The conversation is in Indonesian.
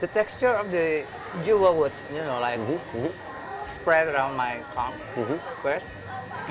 tekstur juwa akan tersebar di dalam kaki saya